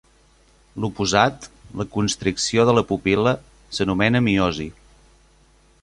L'oposat, la constricció de la pupil·la, s'anomena miosi.